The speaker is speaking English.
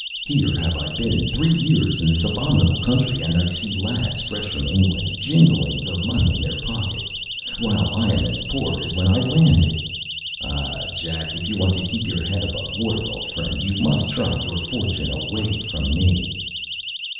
Here have I been three years in this abominable country; and I see lads fresh from England jingling the money in their pockets, while I am as poor as when I landed. Ah, Jack, if you want to keep your head above water, old friend, you must try your fortune away from me.